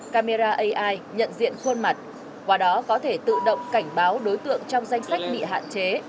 camera ai nhận diện khuôn mặt qua đó có thể tự động cảnh báo đối tượng trong danh sách bị hạn chế